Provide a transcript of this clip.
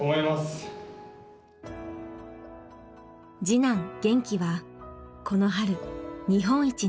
次男玄暉はこの春日本一に。